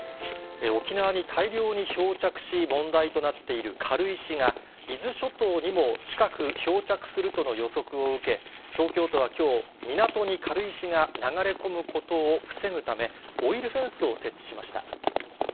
沖縄に大量に漂着し、問題となっている軽石が、伊豆諸島にも近く、漂着するとの予測を受け、東京都はきょう、港に軽石が流れ込むことを防ぐため、オイルフェンスを設置しました。